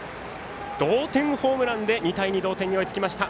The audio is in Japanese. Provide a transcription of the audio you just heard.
同点ホームランで２対２同点に追いつきました。